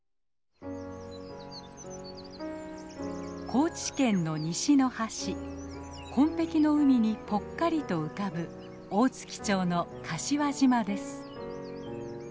高知県の西の端紺ぺきの海にぽっかりと浮かぶ大月町の柏島です。